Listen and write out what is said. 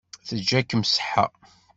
Teǧǧa-kem ṣṣeḥḥa.